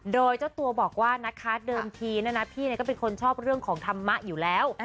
โดยเจ้าตัวบอกว่านะคะเดิมทีนะนะพี่ก็เป็นคนชอบเรื่องของธรรมะอยู่แล้ว